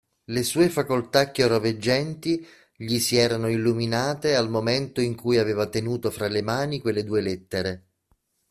Le sue facoltà chiaroveggenti gli si erano illuminate al momento in cui aveva tenuto fra le mani quelle due lettere.